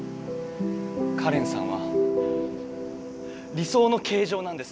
カレンさんは理そうの形じょうなんです。